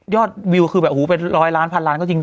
วิวคือแบบโอ้โหเป็นร้อยล้านพันล้านก็จริง